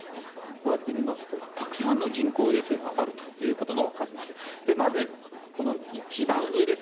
こうやって見ますとたくさんの人工衛星があるということがわかります。